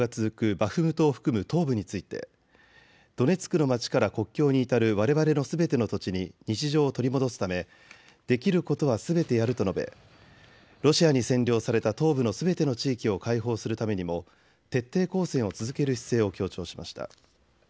バフムトを含む東部についてドネツクの街から国境に至るわれわれのすべての土地に日常を取り戻すためできることはすべてやると述べロシアに占領された東部のすべての地域を解放するためにも徹底抗戦を続ける姿勢を強調しました。